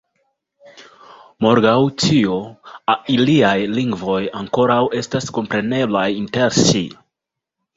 Malgraŭ tio, iliaj lingvoj ankoraŭ estas kompreneblaj inter si.